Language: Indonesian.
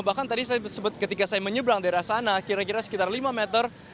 bahkan tadi ketika saya menyeberang daerah sana kira kira sekitar lima meter